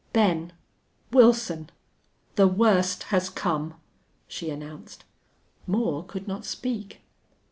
"Ben! Wilson! The worst has come!" she announced. Moore could not speak.